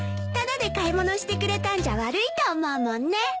タダで買い物してくれたんじゃ悪いと思うもんね。